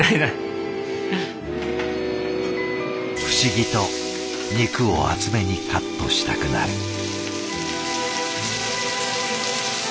不思議と肉を厚めにカットしたくなる。